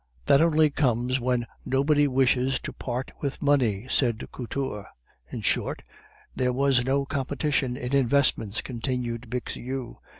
"That only comes when nobody wishes to part with money," said Couture. "In short, there was no competition in investments," continued Bixiou.